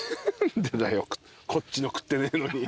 こっちの食ってねえのに。